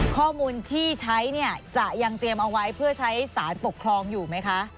ข้อมูลที่ใช้เนี่ยจะยังเตรียมเอาไว้เพื่อใช้สารปกครองอยู่ไหมคะ